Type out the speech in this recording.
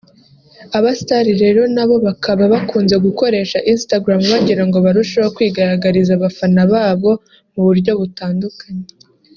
Abastar rero nabo bakaba bakunze gukoresha Instagram bagirango barusheho kwigaragariza abafana babo mu buryo butandukanye